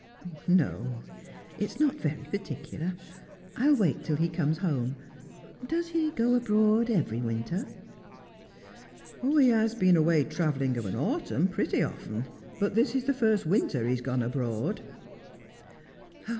'No, it's not very particular. I'll wait till he comes home. Does he go abroad every winter 1 ' 'He has been away travelling of an autumn pretty often. But this is the first winter he has gone abroad.'